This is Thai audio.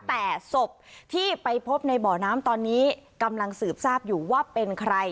แต่ศพที่ไปพบในบ่อน้ำตอนนี้กำลังสืบทราบอยู่ว่าเป็นใคร